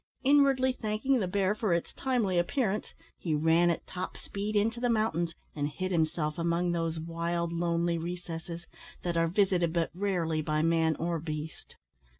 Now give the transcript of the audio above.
Inwardly thanking the bear for its timely appearance, he ran at top speed into the mountains, and hid himself among those wild lonely recesses that are visited but rarely by man or beast.